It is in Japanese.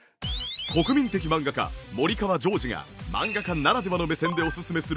国民的漫画家森川ジョージが漫画家ならではの目線でおすすめする